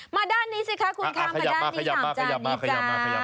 มาด้านนี้สิคะคุณคามมาด้านนี้อย่างจานนี้จ้ะ